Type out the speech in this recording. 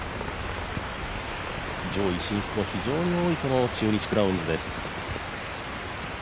上位進出も非常に多い中日クラウンズです。